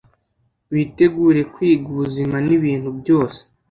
witegure kwiga ubuzima nibintu byose